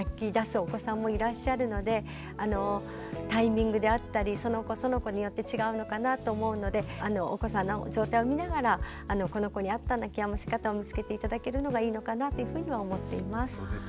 お子さんもいらっしゃるのでタイミングであったりその子その子によって違うのかなと思うのでお子さんの状態を見ながらこの子に合った泣きやませ方を見つけて頂けるのがいいのかなというふうには思っています。